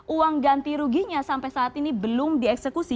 uang ganti ruginya sampai saat ini belum dieksekusi